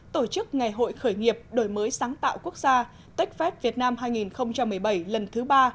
tổ chức ngày hội khởi nghiệp đổi mới sáng tạo quốc gia techfest việt nam hai nghìn một mươi bảy lần thứ ba